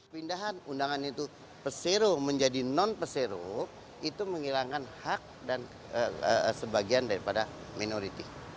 pindahan undangan itu persero menjadi non persero itu menghilangkan hak dan sebagian daripada minority